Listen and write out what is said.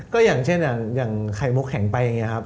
ก็อย่างเช่นอย่างไข่มุกแข็งไปอย่างนี้ครับ